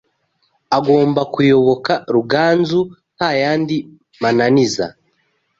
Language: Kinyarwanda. agomba kuyoboka Ruganzu, nta yandi mananiza